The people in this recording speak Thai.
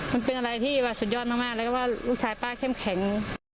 มันเป็นอะไรที่สุดยอดมากแล้วก็ว่าลูกชายป้าเข้มแข็ง